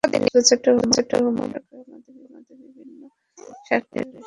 আসলে চট্টগ্রাম বন্দর নিয়ে সরকারের মধ্যেই বিভিন্ন স্বার্থান্বেষী মহলের রশি টানাটানি চলছে।